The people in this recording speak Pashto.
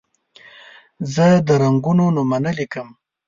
زه د رنګونو نومونه لیکم.